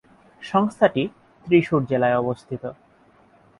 সংস্থাটি ত্রিশূর জেলার অবস্থিত।